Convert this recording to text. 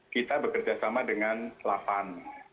kita bekerja sama dengan lapan